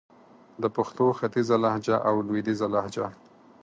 د پښتو ختیځه لهجه او لويديځه لهجه